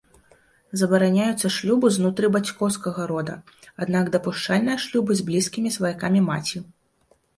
Забараняюцца шлюбы знутры бацькоўскага рода, аднак дапушчальныя шлюбы з блізкімі сваякамі маці.